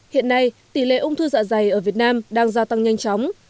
hiện nay tỷ lệ ung thư dạ dày ở việt nam đang gia tăng nhanh chóng